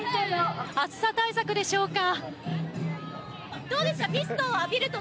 暑さ対策でしょうか。